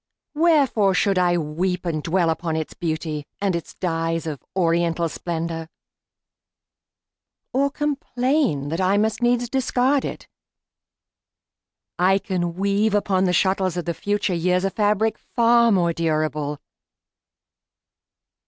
Wherefore should I weep And dwell upon its beauty, and its dyes Of oriental splendor, or complain That I must needs discard it? I can weave Upon the shuttles of the future years A fabric far more durable.